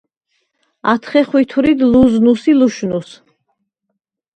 ათხე ხვითვრიდ ლჷზნუს ი ლუშნუს.